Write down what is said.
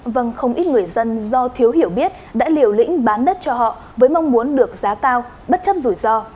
vâng không ít người dân do thiếu hiểu biết đã liều lĩnh bán đất cho họ với mong muốn được giá cao bất chấp rủi ro